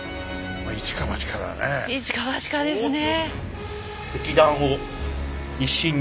一か八かですね。